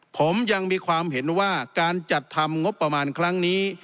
ผมยังมีความเห็นว่าการจัดทำงบประมาณครั้งนี้